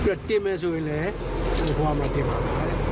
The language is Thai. ประเทศแมนสุวินและอุความอัตติภาพ